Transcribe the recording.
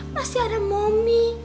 masih ada momi